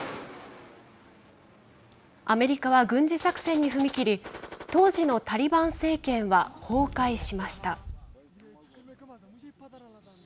アメリカは軍事作戦に踏み切り当時のタリバン政権は崩壊しました。